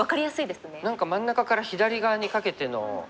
何か真ん中から左側にかけての。